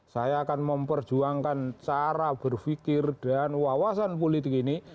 saya akan memperjuangkan cara berpikir dan wawasan politik ini